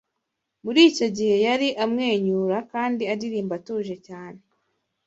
Muri icyo gihe, yari amwenyura kandi aririmba atuje cyane